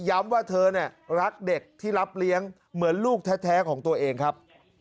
ว่าเธอเนี่ยรักเด็กที่รับเลี้ยงเหมือนลูกแท้ของตัวเองครับ